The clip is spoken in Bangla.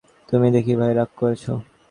তুমি দেখি ভাই রাগ করেছ।